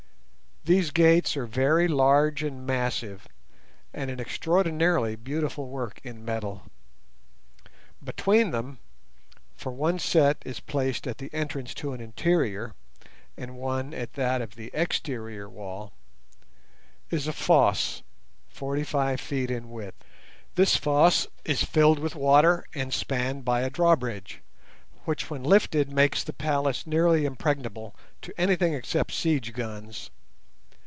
These gates are very large and massive, and an extraordinarily beautiful work in metal. Between them—for one set is placed at the entrance to an interior, and one at that of the exterior wall—is a fosse, forty five feet in width. This fosse is filled with water and spanned by a drawbridge, which when lifted makes the palace nearly impregnable to anything except siege guns.